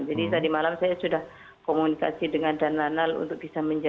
jadi tadi malam saya sudah komunikasi dengan dananal untuk bisa menjaga